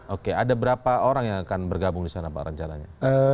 oke ada berapa orang yang akan bergabung di sana pak rencananya